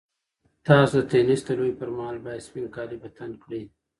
تاسو د تېنس د لوبې پر مهال باید سپین کالي په تن کړئ.